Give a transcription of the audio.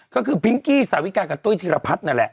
ก็คือพิงกี้สาวิกากับตุ้ยธีรพัฒน์นั่นแหละ